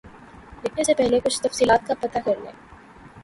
لکھنے سے پہلے کچھ تفصیلات کا پتہ کر لیں